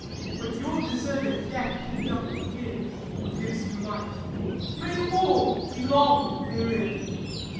But your deserved death he doth forgive: Who gives you life, pray all he long may live.